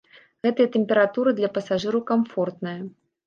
Гэтая тэмпература для пасажыраў камфортная.